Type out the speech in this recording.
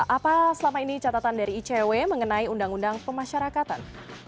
apa selama ini catatan dari icw mengenai undang undang pemasyarakatan